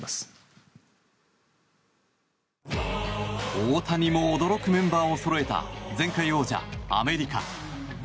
大谷も驚くメンバーをそろえた前回王者、アメリカ。